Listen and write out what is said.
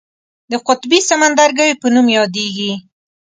د قطبي سمندرګیو په نوم یادیږي.